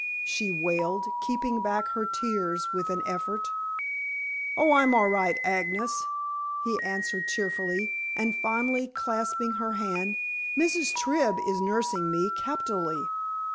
she wailed, keeping back her tears with an effort. "Oh, I'm all right, Agnes," he answered cheerfully, and fondly clasping her hand. "Mrs. Tribb is nursing me capitally."